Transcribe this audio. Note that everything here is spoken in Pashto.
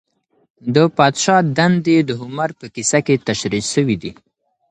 د پادشاه دندې د هومر په کيسه کي تشريح سوې دي.